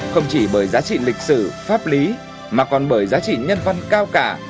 không chỉ bởi giá trị lịch sử pháp lý mà còn bởi giá trị nhân văn cao cả